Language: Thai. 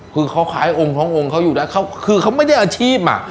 คือเขาคล้ายองค์ท้ององค์เขาอยู่ได้เขาคือเขาไม่ได้อาชีพอ่ะ